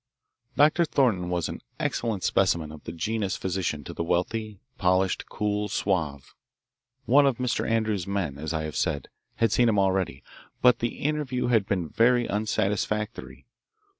Doctor Thornton was an excellent specimen of the genus physician to the wealthy polished, cool, suave. One of Mr. Andrews's men, as I have said, had seen him already, but the interview had been very unsatisfactory.